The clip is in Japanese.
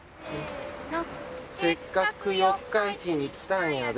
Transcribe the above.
せの「せっかく四日市にきたんやで」